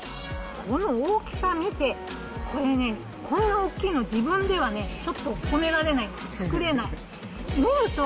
この大きさ見て、これね、こんな大きいの、自分ではね、ちょっとこねられない、作れない。